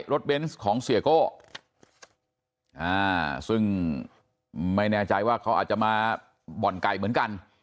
เบนส์ของเสียโก้ซึ่งไม่แน่ใจว่าเขาอาจจะมาบ่อนไก่เหมือนกัน